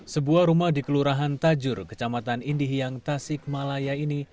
sebuah rumah di kelurahan tajur kecamatan indihiyang tasikmalaya ini